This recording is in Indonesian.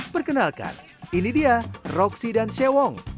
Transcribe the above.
perkenalkan ini dia roksi dan sewong